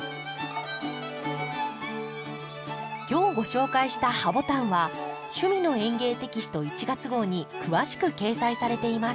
今日ご紹介した「ハボタン」は「趣味の園芸」テキスト１月号に詳しく掲載されています。